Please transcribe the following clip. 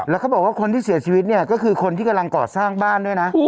แล้วเขาบอกว่าคนที่เสียชีวิตเนี่ยก็คือคนที่กำลังก่อสร้างบ้านด้วยนะ